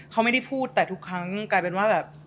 เขาไม่ได้พูดแต่ทุกครั้งกลายเป็นว่าแบบ